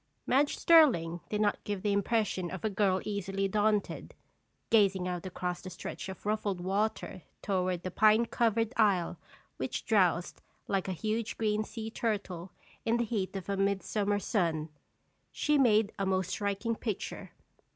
Madge Sterling did not give the impression of a girl easily daunted. Gazing out across the stretch of ruffled water toward the pine covered isle which drowsed like a huge green sea turtle in the heat of a midsummer sun, she made a most striking picture.